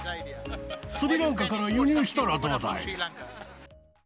スリランカから輸入したらどうだい？